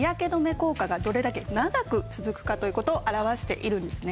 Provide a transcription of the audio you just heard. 効果がどれだけ長く続くかという事を表しているんですね。